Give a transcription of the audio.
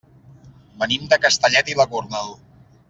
Venim de Castellet i la Gornal.